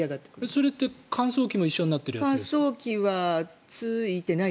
それって乾燥機も一緒になってるやつ？